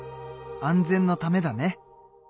安全のためだね。